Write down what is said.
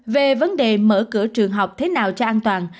về vấn đề mở cửa trường học thế nào cho an toàn